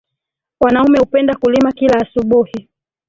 Wanaume hupenda kulima kila asubuhi.